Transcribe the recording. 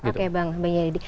oke bang yedi